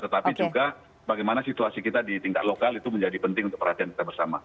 tetapi juga bagaimana situasi kita di tingkat lokal itu menjadi penting untuk perhatian kita bersama